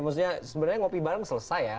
maksudnya sebenarnya ngopi bareng selesai ya